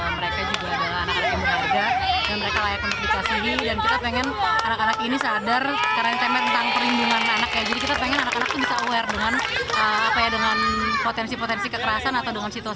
mereka tahu bahwa itu adalah bentuk dari kekerasan dan mereka tahu bahwa mereka punya hak untuk dilindungi